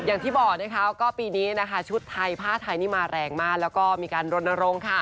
อย่างที่บอกนะคะก็ปีนี้นะคะชุดไทยผ้าไทยนี่มาแรงมากแล้วก็มีการรณรงค์ค่ะ